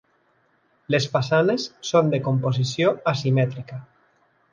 Les façanes són de composició asimètrica.